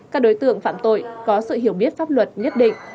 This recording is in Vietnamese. các đối tượng phạm tội có sự hiểu biết pháp luật nhất định